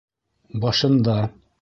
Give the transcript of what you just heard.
Башында: